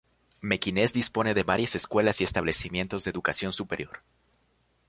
Mequinez dispone de varias escuelas y establecimientos de educación superior.